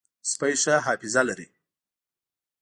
سپي ښه حافظه لري.